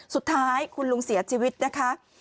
สุดท้ายคุณลุงเสียชีวิตนะคะ